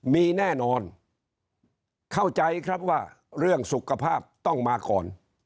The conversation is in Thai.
มีแน่นอนเข้าใจครับว่าเรื่องสุขภาพต้องมาก่อน